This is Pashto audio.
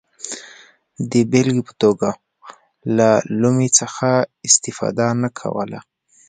د بېلګې په توګه له لومې څخه استفاده نه کوله.